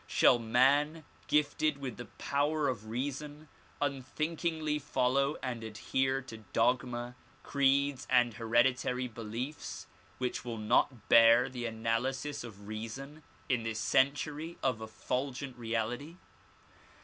Shall man gifted with the power of reason unthinkingly follow and adhere to dogma, creeds and hered itary beliefs which will not bear the analysis of reason in this century of effulgent reality?